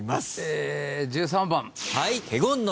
え１３番。